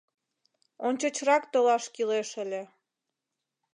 Ончычрак толаш кӱлеш ыле.